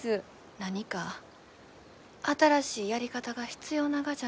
何か新しいやり方が必要ながじゃね。